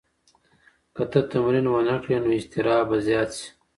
که ته تمرین ونه کړې نو اضطراب به زیات شي.